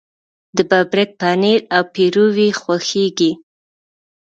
د ببرک پنیر او پیروی خوښیږي.